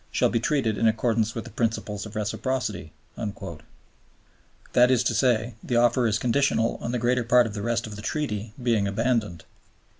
shall be treated in accordance with the principle of reciprocity"; that is to say, the offer is conditional on the greater part of the rest of the Treaty being abandoned.